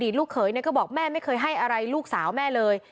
ลูกเขยก็บอกแม่ไม่เคยให้อะไรลูกสาวแม่เลย